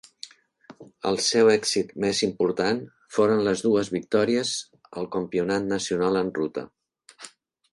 El seu èxit més important foren les dues victòries al Campionat nacional en ruta.